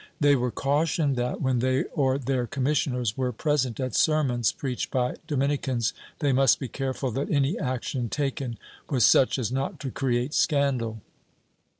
They were cautioned that, when they or their commissioners were present at sermons preached by Dominicans, they must be careful that any action taken was such as not to create scandal.